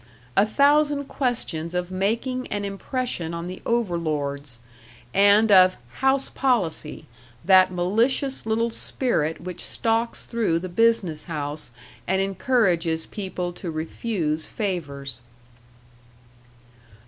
A thousand questions of making an impression on the overlords, and of "House Policy" that malicious little spirit which stalks through the business house and encourages people to refuse favors.